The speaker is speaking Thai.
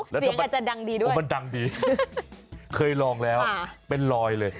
เดี๋ยวมันจะดังดีด้วยมันดังดีเคยลองแล้วเป็นลอยเลย